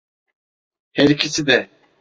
Her ikisi de.